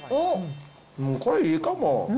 これいいかも！